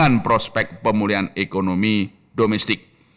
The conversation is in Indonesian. dan kemampuan pemulihan ekonomi domestik